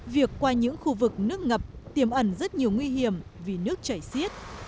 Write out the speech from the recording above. việc qua những khu vực nước ngập tiềm ẩn rất nhiều nguy hiểm vì nước chảy xiết